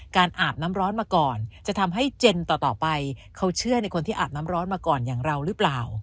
อาบน้ำร้อนมาก่อนจะทำให้เจนต่อไปเขาเชื่อในคนที่อาบน้ำร้อนมาก่อนอย่างเราหรือเปล่า